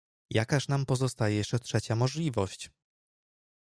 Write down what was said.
"Jakaż nam pozostaje jeszcze trzecia możliwość?"